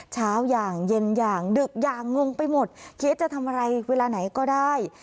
อย่างเย็นอย่างดึกอย่างงงไปหมดคิดจะทำอะไรเวลาไหนก็ได้